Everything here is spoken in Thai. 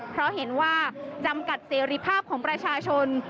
เพราะเห็นว่าจำกัดเสรีภาพของประชาชน